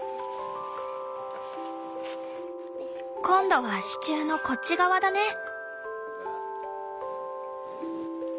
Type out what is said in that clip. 今度は支柱のこっち側だね。